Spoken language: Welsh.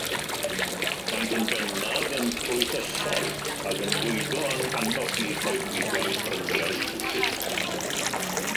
Maent yn bennaf yn ffrwythysol ac yn bwydo yng nghanopi coedwigoedd bryniau trwchus.